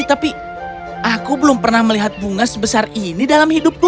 tapi aku belum pernah melihat bunga sebesar ini dalam hidupku